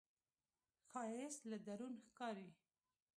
ښایست له درون ښکاري